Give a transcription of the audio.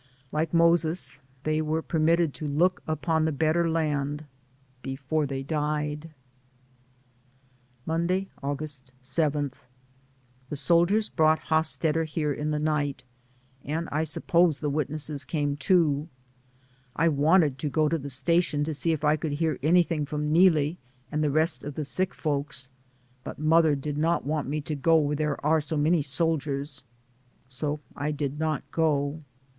Like Moses, they were permitted to look upon the better land before they died. Monday, August 7. The soldiers brought Hosstetter here in the night, and I suppose the witnesses came too. I wanted to go to the station to see if I could hear anything from Neelie, and the rest of the sick folks, but mother did not want me to go where there are so many soldiers, so I did not go.